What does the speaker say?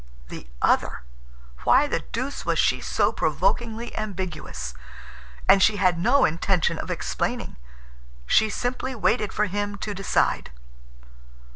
The other! Why the deuce was she so provokingly ambiguous? And she had no intention of explaining. She simply waited for him to decide.